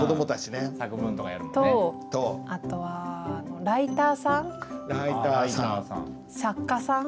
あとはライターさん。